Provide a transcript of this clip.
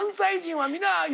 はい。